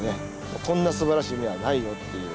こんなすばらしい海はないよっていう